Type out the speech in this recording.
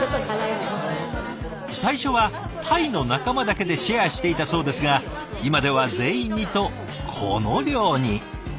最初はタイの仲間だけでシェアしていたそうですが今では全員にとこの量に。